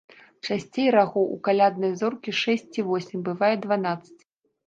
Часцей рагоў у каляднай зоркі шэсць ці восем, бывае дванаццаць.